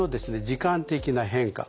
時間的な変化